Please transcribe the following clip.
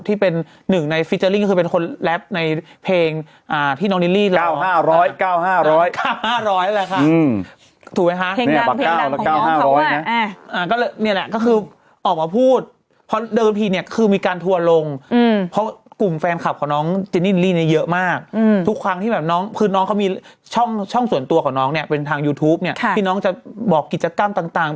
แต่ที่ดูแปลกตาจากเดิมก็คือภายในวัดเนี่ยนะครับคุณผู้ชม